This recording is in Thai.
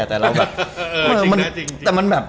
แต่มันแบบ